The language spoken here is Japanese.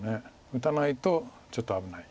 打たないとちょっと危ない。